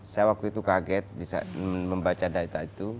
saya waktu itu kaget bisa membaca data itu